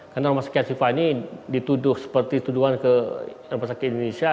karena rumah sakit ashifa ini dituduh seperti tuduhan ke rumah sakit indonesia